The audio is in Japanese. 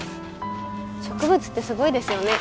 植物ってすごいですよね。